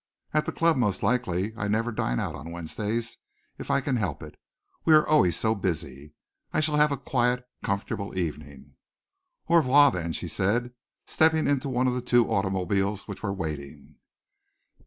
"At the club, most likely. I never dine out on Wednesdays, if I can help it. We are always so busy. I shall have a quiet, comfortable evening." "Au revoir, then!" she said, stepping into one of the two automobiles which were waiting.